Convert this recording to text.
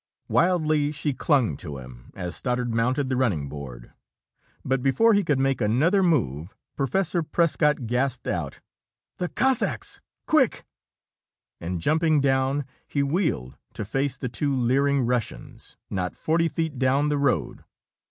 Wildly she clung to him, as Stoddard mounted the running board, but before he could make another move, Professor Prescott gasped out: "The Cossacks! Quick!" And jumping down, he wheeled to face the two leering Russians, not forty feet down the road.